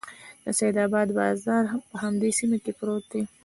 د سیدآباد بازار په همدې سیمه کې پروت دی.